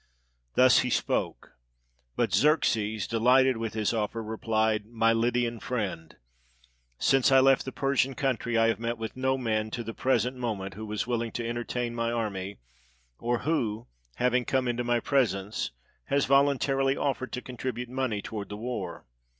Thus he spoke; but Xerxes, delighted with his offer, replied: "My Lydian friend, since I left the Persian coimtry I have met with no man to the present mo ment who was willing to entertain my army, or who, having come into my presence, has voluntarily offered to contribute money toward the war.